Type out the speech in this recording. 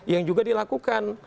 yang juga dilakukan